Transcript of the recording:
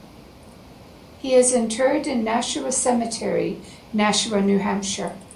He is interred in Nashua Cemetery, Nashua, New Hampshire.